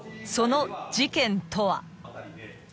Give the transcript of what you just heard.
［その事件とは］